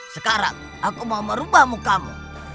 sekarang aku mau merubah mukamu